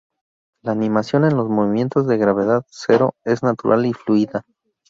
La animación "en los movimientos de gravedad cero es natural y fluida".